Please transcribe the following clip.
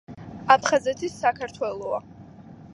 აფხაზეთი საქართელოა !!!!